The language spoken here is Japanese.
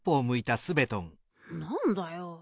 なんだよ。